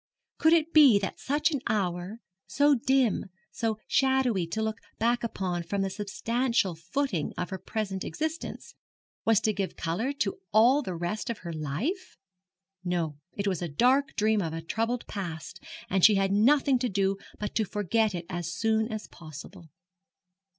Could it be that such an hour so dim, so shadowy to look back upon from the substantial footing of her present existence was to give colour to all the rest of her life? No, it was the dark dream of a troubled past, and she had nothing to do but to forget it as soon as possible.